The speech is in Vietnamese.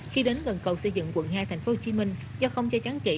khi đến gần cầu xây dựng quận hai tp hcm do không che chắn trị